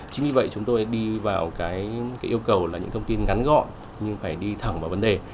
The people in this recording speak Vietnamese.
chính vì vậy chúng tôi đi vào cái yêu cầu là những thông tin ngắn gọn nhưng phải đi thẳng vào vấn đề